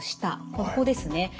ここですね。